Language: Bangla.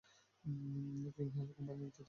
পিং হে কোম্পানির নেতৃত্ব দেবে।